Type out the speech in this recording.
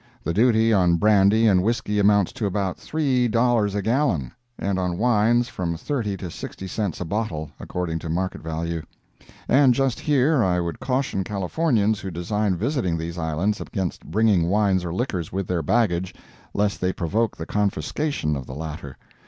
The duty on brandy and whisky amounts to about three dollars a gallon, and on wines from thirty to sixty cents a bottle, according to market value. And just here I would caution Californians who design visiting these islands against bringing wines or liquors with their baggage, lest they provoke the confiscation of the latter.